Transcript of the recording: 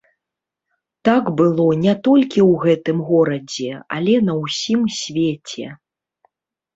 Так было не толькі ў гэтым горадзе, але на ўсім свеце.